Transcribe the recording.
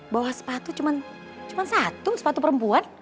bawa sepatu cuma satu sepatu perempuan